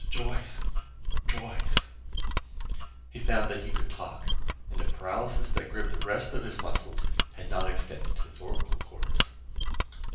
"Joyce! Joyce!" He found that he could talk, that the paralysis that gripped the rest of his muscles had not extended to the vocal cords.